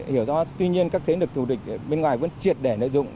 hiểu ra tuy nhiên các thế lực thù địch bên ngoài vẫn triệt để nội dung